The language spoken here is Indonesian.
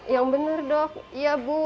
yang benar dok iya bu